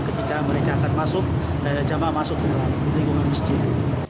ketika mereka akan masuk jamaah masuk ke dalam lingkungan masjid